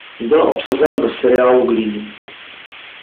Byla obsazena do seriálu "Glee".